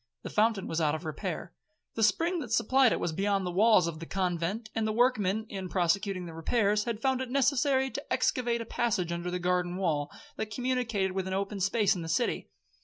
The fountain was out of repair. The spring that supplied it was beyond the walls of the convent, and the workmen, in prosecuting the repairs, had found it necessary to excavate a passage under the garden wall, that communicated with an open space in the city.